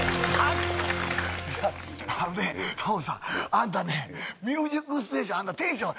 あのねタモさんあんたね「ミュージックステーション」あんたテンション